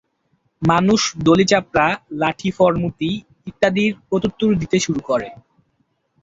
মানুষ দলি-চাপরা, লাঠি-ফর্মুতি ইত্যাদির প্রত্যুত্তর দিতে শুরু করে।